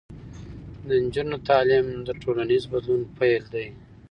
د نجونو تعلیم د ټولنیز بدلون پیل دی.